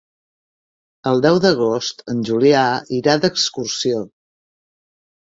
El deu d'agost en Julià irà d'excursió.